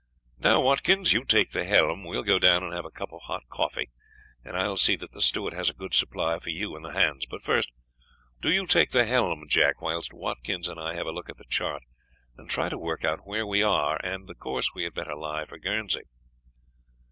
"Now, Watkins, you take the helm; we will go down and have a cup of hot coffee, and I will see that the steward has a good supply for you and the hands; but first, do you take the helm, Jack, whilst Watkins and I have a look at the chart, and try and work out where we are, and the course we had better lie for Guernsey."